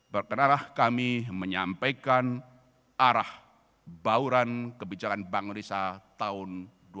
berkenalah kami menyampaikan arah bauran kebijakan bank indonesia tahun dua ribu dua puluh